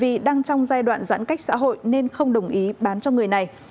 vì đang trong giai đoạn giãn cách xã hội nên không đồng ý bán cho người này